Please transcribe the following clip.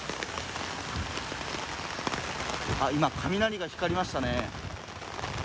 今、雷が光りましたね。